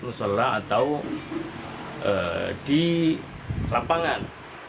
musyallah atau di lapangan